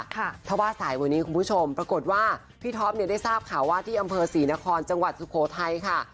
เพราะว่าสายวันนี้คุณผู้ชมปรากฏว่าพี่ท็อปเนี่ยได้ทราบข่าวว่าที่อำเภอศรีนครจังหวัดสุโขทัยค่ะ